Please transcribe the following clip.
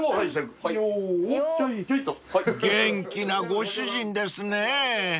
［元気なご主人ですね］